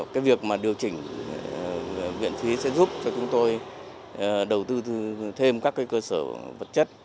cái việc mà điều chỉnh viện phí sẽ giúp cho chúng tôi đầu tư thêm các cơ sở vật chất